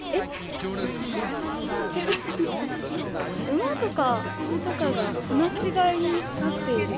馬とか羊とかが放し飼いになってる。